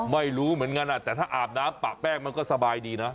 ไม่รู้เหมือนกันแต่ถ้าอาบน้ำปะแป้งมันก็สบายดีนะ